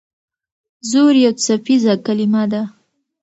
زور یو څپیزه کلمه ده.